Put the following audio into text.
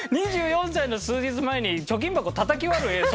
２４歳の数日前に貯金箱たたき割る画想像してた？